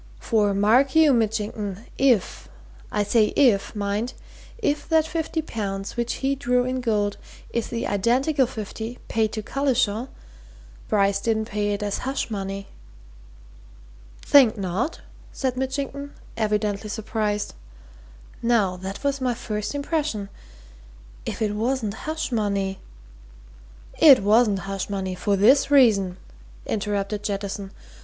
For mark you, Mitchington, if I say if, mind! if that fifty pounds which he drew in gold is the identical fifty paid to Collishaw, Bryce didn't pay it as hush money!" "Think not?" said Mitchington, evidently surprised. "Now, that was my first impression. If it wasn't hush money " "It wasn't hush money, for this reason," interrupted Jettison.